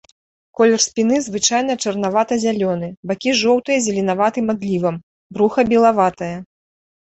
Колер спіны звычайна чарнавата-зялёны, бакі жоўтыя з зеленаватым адлівам, бруха белаватае.